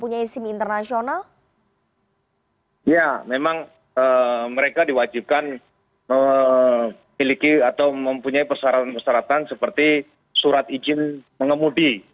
ya memang mereka diwajibkan memiliki atau mempunyai persyaratan persyaratan seperti surat izin mengemudi